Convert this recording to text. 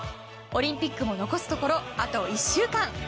オリンピックも残すところあと１週間。